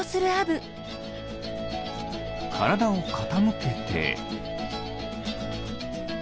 からだをかたむけて。